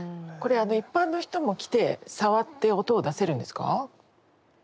これ一般の人も来て触って音を出せるんですか？